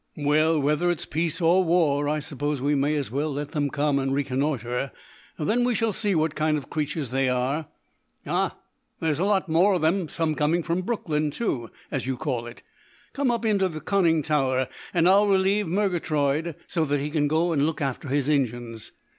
"Well, whether it's peace or war, I suppose we may as well let them come and reconnoitre. Then we shall see what kind of creatures they are. Ah, there are a lot more of them, some coming from Brooklyn, too, as you call it. Come up into the conning tower, and I'll relieve Murgatroyd, so that he can go and look after his engines.